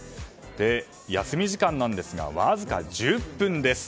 休み時間ですがわずか１０分です。